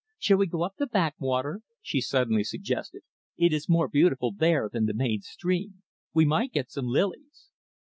"Shall we go up the backwater?" she suddenly suggested. "It is more beautiful there than the main stream. We might get some lilies."